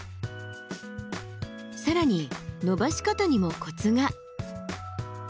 更に伸ばし方にもコツが。